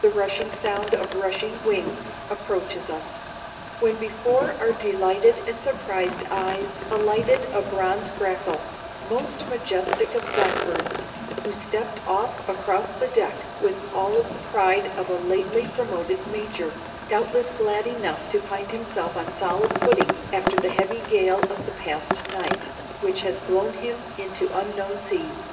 the rushing sound of rushing wings Approaches us," when before our delighted and surprised eyes alighted a bronze grackle, most majestic of blackbirds, who stepped off across the deck with all of the pride of a lately promoted major, doubtless glad enough to find himself on solid footing after the heavy gale of the past night, which has blown him into unknown seas.